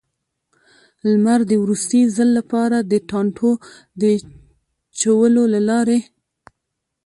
لمر د وروستي ځل لپاره، د ټانټو د چولو له لارې.